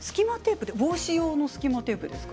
帽子用の隙間テープですか。